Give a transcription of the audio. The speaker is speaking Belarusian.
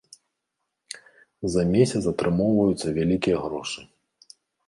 За месяц атрымоўваюцца вялікія грошы.